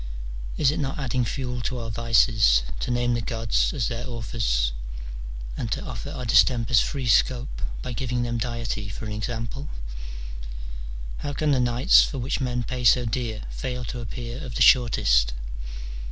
Is it not adding fuel to our vices to name the gods as their authors, and to offer our distempers free scope by giving them deity for an example ? How can the nights for which men pay so dear fail to appear of the shortest